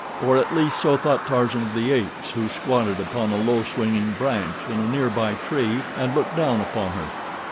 Or at least so thought Tarzan of the Apes, who squatted upon a low swinging branch in a near by tree and looked down upon her.